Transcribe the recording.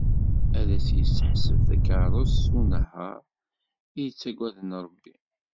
Ad as-d-yesseḥbes takarrust s unehhar i yettagaden Rebbi.